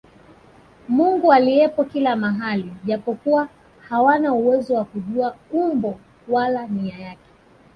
Mungu aliyepo kila mahali japokuwa hawana uwezo wa kujua umbo wala nia yake